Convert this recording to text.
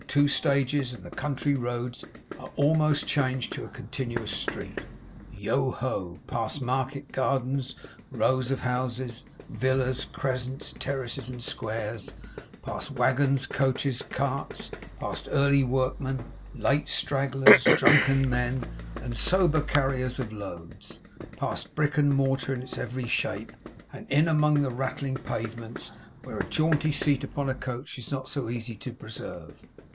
Two stages, and the country roads are almost changed to a continuous street. Yoho, past market gardens, rows of houses, villas, crescents, terraces, and squares; past waggons, coaches, carts; past early workmen, late stragglers, drunken men, and sober carriers of loads; past brick and mortar in its every shape; and in among the rattling pavements, where a jaunty seat upon a coach is not so easy to preserve!